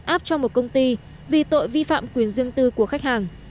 áp cho một công ty vì tội vi phạm quyền riêng tư của khách hàng